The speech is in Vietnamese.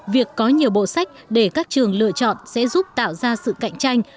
việc có nhiều bộ sách để các trường lựa chọn sẽ giúp tạo ra sự cạnh tranh